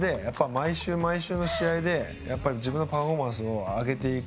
毎週毎週の試合で、自分のパフォーマンスを上げていく。